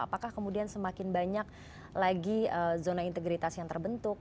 apakah kemudian semakin banyak lagi zona integritas yang terbentuk